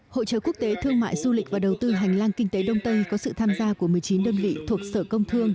hội trợ quốc tế thương mại du lịch và đầu tư hành lang kinh tế đông tây có sự tham gia của một mươi chín đơn vị thuộc sở công thương